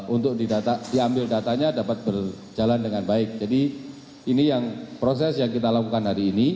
untuk diambil datanya dapat berjalan dengan baik jadi ini yang proses yang kita lakukan hari ini